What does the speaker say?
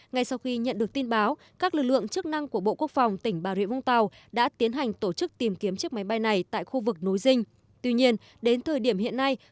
ngay sau khi nhận được tin báo các lực lượng chức năng của bộ quốc phòng tỉnh bà rịa vũng tàu đã tiến hành tổ chức tìm kiếm chiếc máy bay này tại khu vực núi dinh